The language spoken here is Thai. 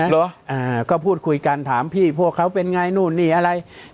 เหรอก็พูดคุยกันถามพี่พวกเขาเป็นไงนู่นนี่อะไร